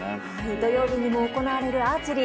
土曜日に行われるアーチェリー。